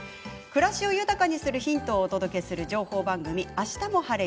暮らしを豊かにするヒントをお届けする情報番組「あしたも晴れ！